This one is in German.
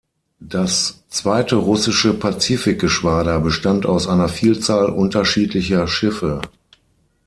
Das "Zweite russische Pazifikgeschwader" bestand aus einer Vielzahl unterschiedlicher Schiffe.